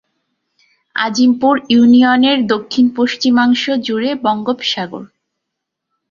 আজিমপুর ইউনিয়নের দক্ষিণ-পশ্চিমাংশ জুড়ে বঙ্গোপসাগর।